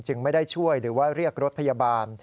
ไม่ได้ช่วยหรือว่าเรียกรถพยาบาล